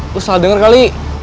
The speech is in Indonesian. lo salah denger kali